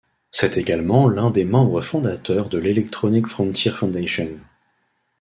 C'est également l'un des membres fondateurs de l'Electronic Frontier Foundation.